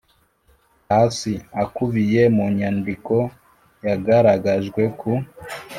Hasi akubiye mu nyandiko yagaragajwe ku